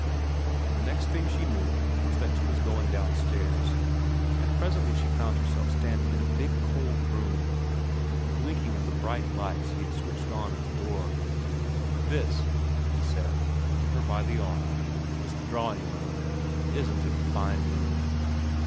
And the next thing she knew was that she was going downstairs, and presently she found herself standing in a big cold room, blinking in the bright lights he had switched on at the door. ' This,' he said, holding her by the arm, ' is the drawing room. Isn't it a fine room.'